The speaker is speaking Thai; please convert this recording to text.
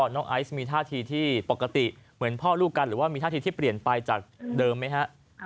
น้องไอซ์มีท่าทีที่ปกติเหมือนพ่อลูกกันหรือว่ามีท่าทีที่เปลี่ยนไปจากเดิมไหมฮะ